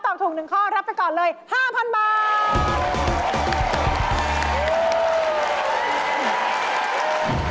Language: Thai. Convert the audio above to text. ตอบถุงหนึ่งข้อรับไปก่อนเลย๕๐๐๐บาท